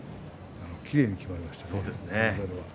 きれいにきまりましたね。